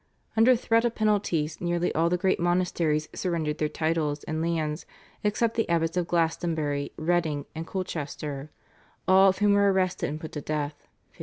Under threat of penalties nearly all the great monasteries surrendered their titles and lands except the abbots of Glastonbury, Reading, and Colchester, all of whom were arrested and put to death (1539).